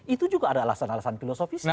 itu juga ada alasan alasan filosofis